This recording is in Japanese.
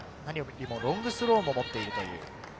ロングスローも持っています。